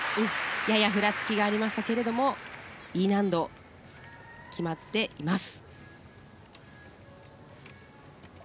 ややふらつきがありましたがＥ難度、決まっています。